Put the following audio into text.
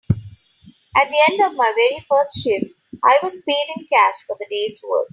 At the end of my very first shift, I was paid in cash for the day’s work.